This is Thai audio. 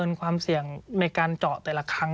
สวัสดีค่ะที่จอมฝันครับ